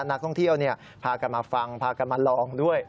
นักท่องเที่ยวพากันมาฟังพากันมาลองด้วย